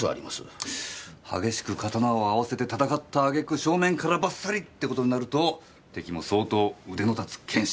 激しく刀を合わせて戦ったあげく正面からバッサリって事になると敵も相当腕の立つ剣士。